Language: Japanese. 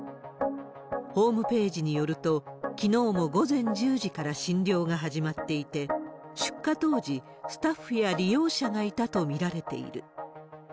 ホームページによると、きのうも午前１０時から診療が始まっていて、出火当時、スタッフや利用者がいたと見られている。